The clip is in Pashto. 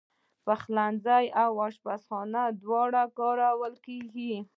پخلنځی او آشپزخانه دواړه کارول کېږي.